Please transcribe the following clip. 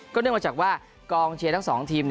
เนื่องมาจากว่ากองเชียร์ทั้ง๒ทีม